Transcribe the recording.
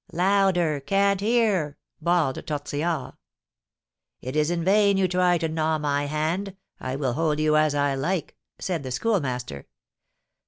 "Louder! Can't hear!" bawled Tortillard. "It is in vain you try to gnaw my hand, I will hold you as I like," said the Schoolmaster.